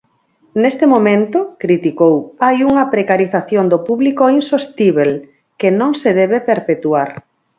Neste momento, criticou, hai "unha precarización do público insostíbel" que "non se debe perpetuar".